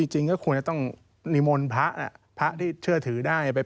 จริงก็ควรจะต้องนิมนต์พระพระที่เชื่อถือได้